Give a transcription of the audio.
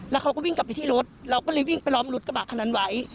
แล้วเขาก็วิ่งกลับไปที่รถเราก็เลยวิ่งไปล้อมรถกระบะคันนั้นไว้